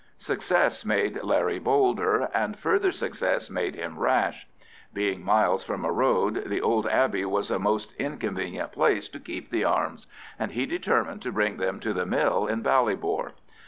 Success made Larry bolder, and further success made him rash. Being miles from a road, the old abbey was a most inconvenient place to keep the arms, and he determined to bring them to the mill in Ballybor.